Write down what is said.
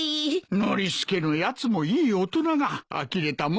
ノリスケのやつもいい大人があきれたもんだ。